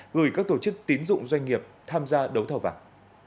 gửi các tổ chức tín dụng doanh nghiệp tham gia đấu thầu vàng